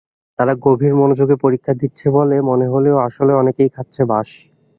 তারা গভীর মনোযোগে পরীক্ষা দিচ্ছে বলে মনে হলেও আসলে অনেকেই খাচ্ছে বাঁশ।